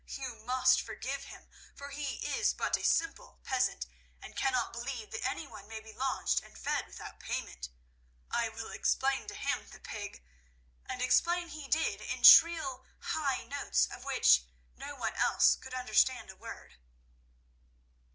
You must forgive him, for he is but a simple peasant, and cannot believe that anyone may be lodged and fed without payment. I will explain to him, the pig!" And explain he did in shrill, high notes, of which no one else could understand a word.